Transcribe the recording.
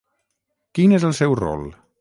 Quin és el seu rol?